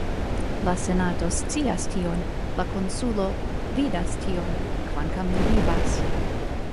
La senato scias tion, la konsulo vidas tion, kvankam li vivas!